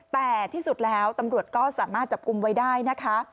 แต่ที่สุดแล้วตำรวจก็สามารถจับกลุ่มไว้ได้นะคะ